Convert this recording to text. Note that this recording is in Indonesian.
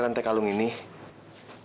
tante juga harus mikirin ibu